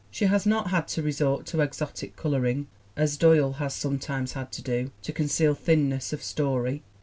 She has not had to resort to exotic coloring as Doyle has sometimes had to do to conceal thinness of story.